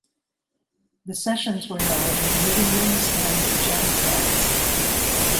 The sessions were held in living rooms and jam pads.